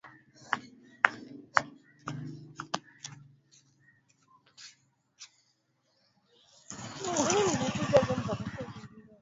kutoka idara ya sayansi ya siasa richard mbunda